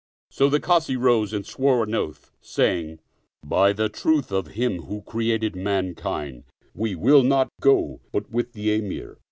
So the Kazi rose and swore an oath, saying, " By the truth of Him who created mankind, we will not go but with the Emir